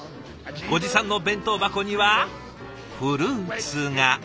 ご持参の弁当箱にはフルーツが。